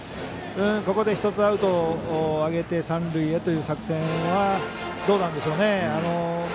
ここで１つアウトをあげて三塁へという作戦はどうなんでしょうね。